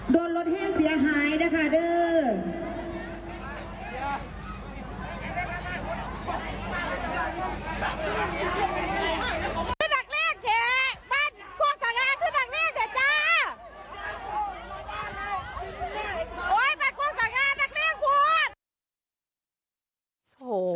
โดนรถแห้งเสียหายนะคะเด้อ